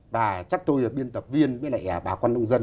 và chắc tôi là biên tập viên với lại bà con nông dân